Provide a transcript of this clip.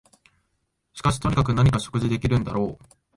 しかしとにかく何か食事ができるんだろう